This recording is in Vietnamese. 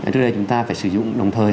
trước đây chúng ta phải sử dụng đồng thời